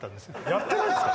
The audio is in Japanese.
やってないんですか？